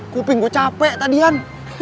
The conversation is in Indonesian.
kuping gue capek tadian